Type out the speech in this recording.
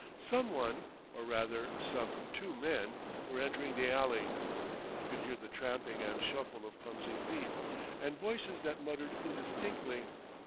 Some one, or, rather, some two men were entering the alley. He could hear the tramping and shuffle of clumsy feet, and voices that muttered indistinctly.